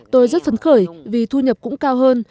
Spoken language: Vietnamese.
tôi rất phấn khởi vì thu nhập cũng cao hơn